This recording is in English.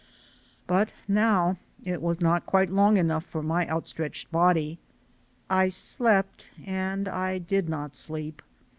But now it was not quite long enough for my outstretched body. I slept and I did not sleep.